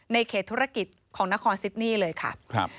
ในเขตธุรกิจของนครซิดนี่เลยค่ะ